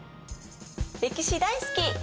歴史大好き！